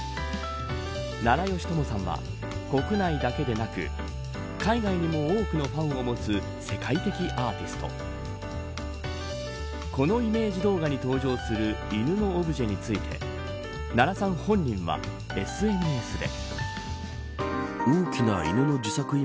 奈良美智さんは、国内だけでなく海外にも多くのファンを持つ世界的アーティスト。このイメージ動画に登場する犬のオブジェについて奈良さん本人は、ＳＮＳで。